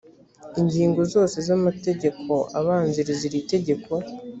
ingingo zose z’amategeko abanziriza iri tegeko